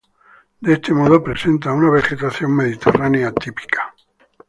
De este modo, presenta una vegetación mediterránea típica.